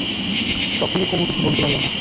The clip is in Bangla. তখনই কুমু কিছু বলতে পারলে না।